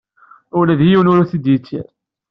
Ula d yiwen ur t-id-yettir.